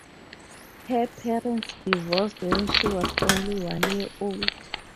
Her parents divorced when she was only one year old.